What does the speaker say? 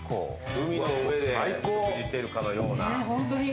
海の上で食事しているかのような。